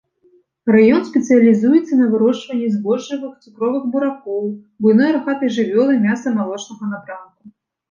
Раён спецыялізуецца на вырошчванні збожжавых, цукровых буракоў, буйной рагатай жывёлы мяса-малочнага напрамку.